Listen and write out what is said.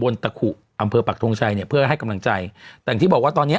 ตะขุอำเภอปักทงชัยเนี่ยเพื่อให้กำลังใจแต่อย่างที่บอกว่าตอนเนี้ย